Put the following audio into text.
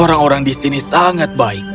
orang orang di sini sangat baik